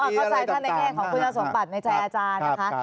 เข้าใจท่านในแง่ของคุณสมบัติในใจอาจารย์นะคะ